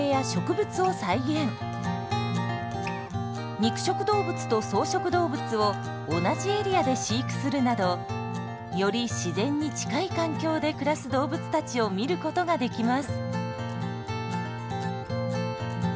肉食動物と草食動物を同じエリアで飼育するなどより自然に近い環境で暮らす動物たちを見ることができます。